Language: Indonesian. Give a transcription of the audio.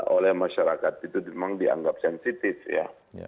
oleh masyarakat itu memang dianggap sensitif ya